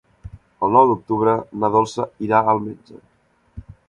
El nou d'octubre na Dolça irà al metge.